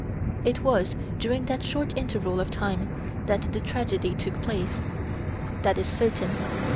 "It was during that short interval of time that the tragedy took place. That is certain.